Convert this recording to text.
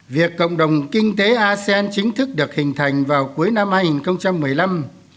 việc cộng đồng kinh tế asean chính thức được hình thành vào cuối năm hai nghìn một mươi năm